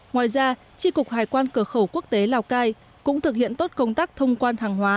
ngoài ra tri cục hải quan cửa khẩu quốc tế lào cai cũng thực hiện tốt công tác thông quan hàng hóa